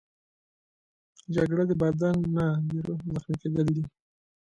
جګړه د بدن نه، د روح زخمي کېدل دي